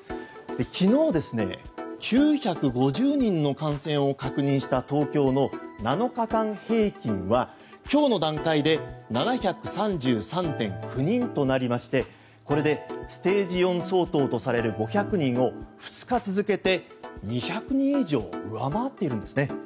昨日、９５０人の感染を確認した東京の７日間平均は今日の段階で７３３．９人となりましてこれでステージ４相当とされる５００人を２日続けて２００人以上上回っているんですね。